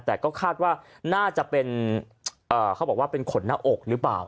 แต่ก็คาดว่าน่าจะเป็นเขาบอกว่าเป็นขนหน้าอกหรือเปล่า